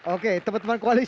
oke teman teman kualitas